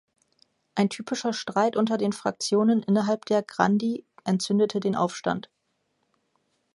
Ein typischer Streit unter den Fraktionen innerhalb der "Grandi" entzündete den Aufstand.